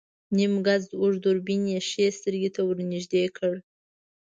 نيم ګز اوږد دوربين يې ښی سترګې ته ور نږدې کړ.